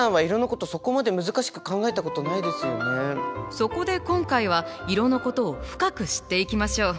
そこで今回は色のことを深く知っていきましょう。